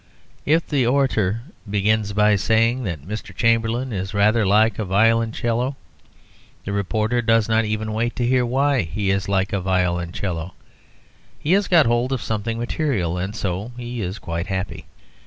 If the orator begins by saying that Mr. Chamberlain is rather like a violoncello, the reporter does not even wait to hear why he is like a violoncello. He has got hold of something material, and so he is quite happy.